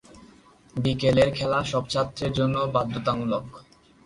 বিকেলের খেলা সব ছাত্রদের জন্য বাধ্যতামূলক।